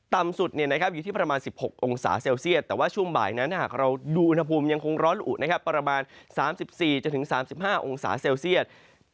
ต่ำสุดอยู่ที่ประมาณ๑๖องศาเซลเซียตแต่ว่าช่วงบ่ายนั้นถ้าหากเราดูอุณหภูมิยังคงร้อนละอุนะครับประมาณ๓๔๓๕องศาเซลเซียต